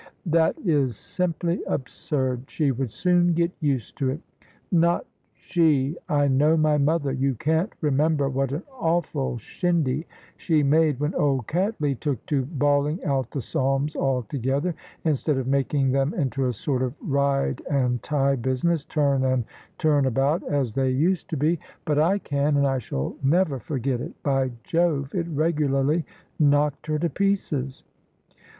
" That is simply absurd. She would soon get used to it." " Not she ! I know my mother. You can't remember what an awful shindy she made when old Cattley took to bawling out the Psalms all together, instead of making them into a sort of ride and tie business, turn and turn about, as they used to be. But I can: and I shall never forget it. By Jove, it regularly knocked her to pieces!